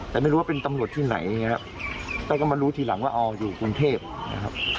แต่ไม่รู้ว่าเป็นตำรวจที่ไหนแต่ก็มารู้ทีหลังว่าอ๋ออยู่กรุงเทพนะครับ